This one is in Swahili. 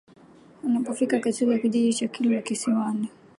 Unapofika katika kijiji cha Kilwa Kisiwani